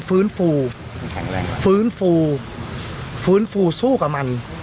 ฟื้นฟูฟื้นฟูฟื้นฟูสู้กับมัน